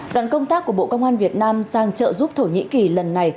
đoàn công tác của bộ công an việt nam sang trợ giúp thổ nhĩ kỳ lần này